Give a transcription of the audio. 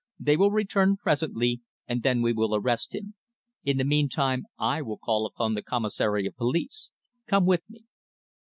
"They will return presently, and then we will arrest him. In the meantime I will call upon the Commissary of Police. Come with me."